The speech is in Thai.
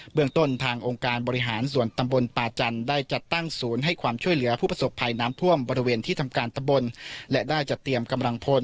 เมืองต้นทางองค์การบริหารส่วนตำบลป่าจันทร์ได้จัดตั้งศูนย์ให้ความช่วยเหลือผู้ประสบภัยน้ำท่วมบริเวณที่ทำการตำบลและได้จะเตรียมกำลังพล